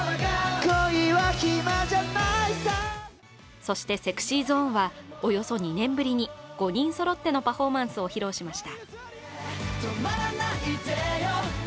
そしてＳｅｘｙＺｏｎｅは、およそ２年ぶりに、５人そろってのパフォーマンスを披露しました。